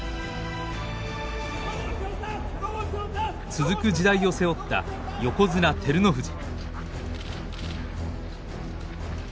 続く時代を背負った横綱照ノ富士。